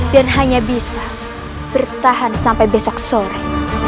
dan hanya bisa bertahan sampai besok sore